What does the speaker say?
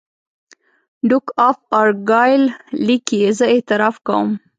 ډوک آف ارګایل لیکي زه اعتراف کوم.